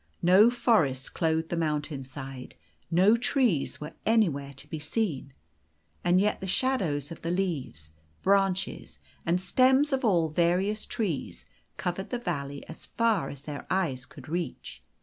No forests clothed the mountain sides, no trees were anywhere to be seen, and yet the shadows of the leaves, branches, and stems of all various trees covered the valley as far as their eyes could reach.